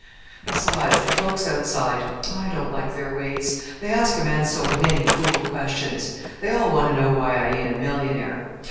Besides, the folks outside, I don't like their ways; they ask a man so many fool questions. They all want to know why I ain't a millionaire.